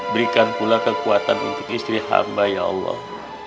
berikan pula kekuatan untuk istri hamba ya allah